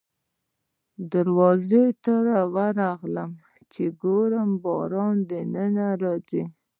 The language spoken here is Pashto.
زه دروازې ته ورغلم چې وګورم باران خو دننه نه راځي.